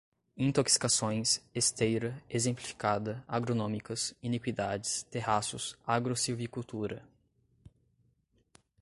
intoxicações, esteira, exemplificada, agronômicas, iniquidades, terraços, agrossilvicultura